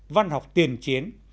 văn học tiền chiến